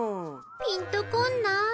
ピンとこんな。